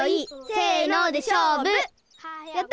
せのでしょうぶやった！